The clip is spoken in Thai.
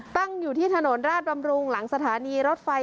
ตั้งอยู่ที่ถนนราชบำรุงหลังสถานีรถไฟ